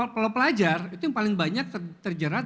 kalau pelajar itu yang paling banyak terjerat